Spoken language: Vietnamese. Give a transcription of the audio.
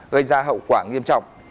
gây ra hậu quả nghiêm trọng